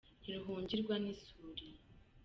Ntiruhungirwa n’isuri.